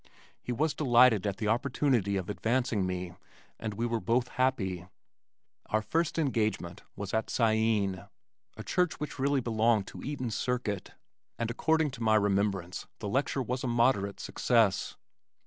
He was delighted at the opportunity of advancing me, and we were both happy. Our first engagement was at Cyene, a church which really belonged to Eaton's circuit, and according to my remembrance the lecture was a moderate success.